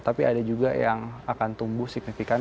tapi ada juga yang akan tumbuh signifikan